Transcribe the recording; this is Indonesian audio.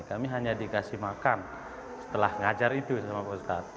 kami hanya dikasih makan setelah ngajar itu sama pak ustadz